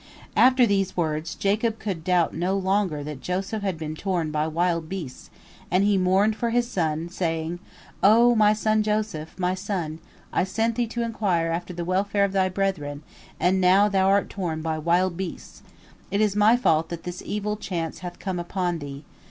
After these words, Jacob could doubt no longer that Joseph bad been torn by wild beasts, and he mourned for his son, saying: "O my son Joseph, my son, I sent thee to inquire after the welfare of thy brethren, and now thou art torn by wild beasts. It is my fault that this evil chance hath come upon thee.